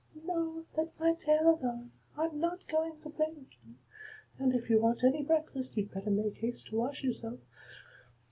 "No; let my tail alone. I'm not going to play with you. And if you want any breakfast you'd better make haste to wash yourself.